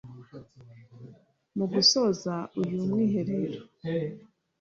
Mu gusoza uyu mwiherero